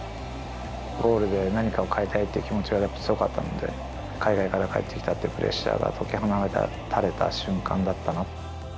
ゴールで何かを変えたいという気持ちがやっぱり強かったので、海外から帰ってきたっていうプレッシャーが解き放たれた瞬間だっ